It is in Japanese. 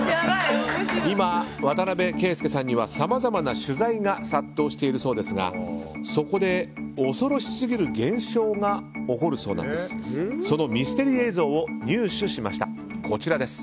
今、渡邊圭祐さんにはさまざまな取材が殺到しているそうですがそこで恐ろしすぎる現象が起こるそうなんです。